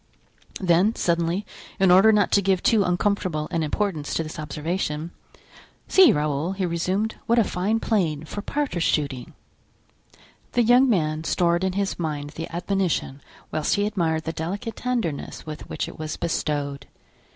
Then suddenly, in order not to give too uncomfortable an importance to this observation: "See, Raoul!" he resumed; "what a fine plain for partridge shooting." The young man stored in his mind the admonition whilst he admired the delicate tenderness with which it was bestowed.